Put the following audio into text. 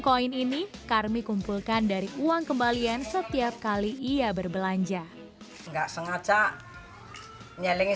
koin ini karmi kumpulkan dari uang kembalian setiap kali ia berbelanja enggak sengaja nyeling